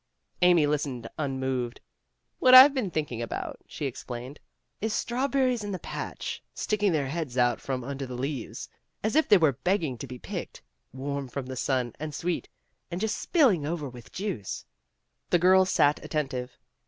Amy listened unmoved. "What I've been thinking about," she explained, "is strawber ries in the patch, sticking their heads out from under the leaves, as if they were begging to be picked, warm from the sun, and sweet, and just spilling over with juice." The girls sat attentive.